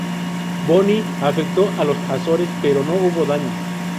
Bonnie afectó a las Azores pero no hubo daños.